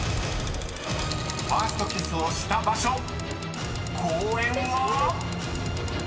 ［ファーストキスをした場所公園は⁉］